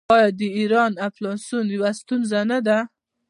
آیا د ایران انفلاسیون یوه ستونزه نه ده؟